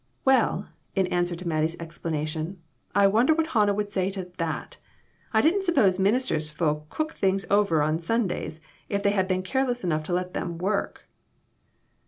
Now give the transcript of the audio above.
Well," in answer to Mattie's explanation, "I won der what Hannah would say to that ! I didn't suppose ministers' folks cooked things over on Sundays, if they had been careless enough to let them work."